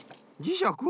じしゃく？